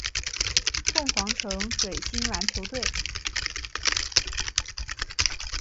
凤凰城水星篮球队。